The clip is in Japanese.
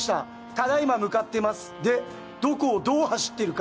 「ただ今向かってます」でどこをどう走ってるか。